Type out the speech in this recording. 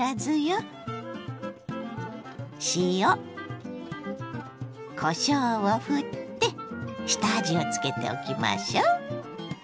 塩こしょうをふって下味をつけておきましょう。